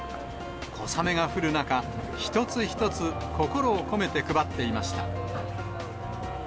小雨が降る中、一つ一つ心を込めて配っていました。